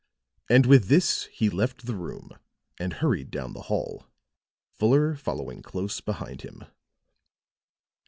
And with this he left the room and hurried down the hall, Fuller following close behind him.